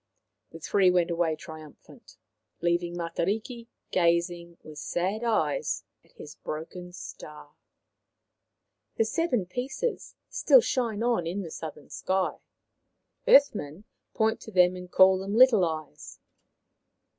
The three went away triumphant, leaving Matariki gazing with sad eyes at his broken star. The seven pieces still shine on in the Southern sky. Earth men point to them and call them The Star Hunt 129 "Little Eyes."